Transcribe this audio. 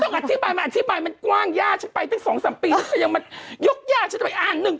ไม่ต้องอธิบายเปิดกว้างย่าชัยไป๒๓ปี